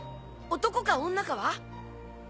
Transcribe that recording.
男か女かは？